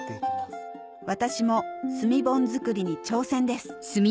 私も炭盆作りに挑戦です